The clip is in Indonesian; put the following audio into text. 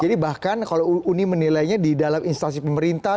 jadi bahkan kalau uni menilainya di dalam instansi pemerintah